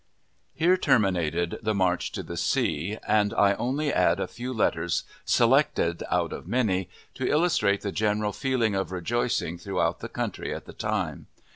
Here terminated the "March to the Sea," and I only add a few letters, selected out of many, to illustrate the general feeling of rejoicing throughout the country at the time.